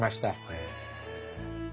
へえ。